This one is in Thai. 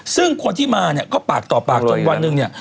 ซึ่งคนที่มาเนี่ยก็ปากต่อปากจนวันหนึ่งเนี่ย